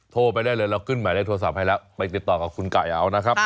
โทรไปได้เลยเราขึ้นหมายเลขโทรศัพท์ให้แล้วไปติดต่อกับคุณไก่เอานะครับ